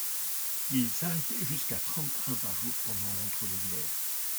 Il s’arrêtait jusqu'à trente trains par jour pendant l'entre-deux-guerres.